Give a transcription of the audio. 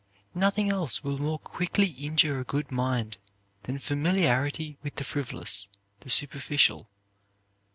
Nothing else will more quickly injure a good mind than familiarity with the frivolous, the superficial.